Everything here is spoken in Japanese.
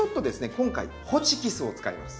今回ホチキスを使います。